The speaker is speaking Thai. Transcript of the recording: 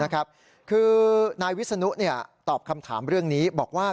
คือนายวิศนุตอบคำถามเรื่องนี้บอกว่า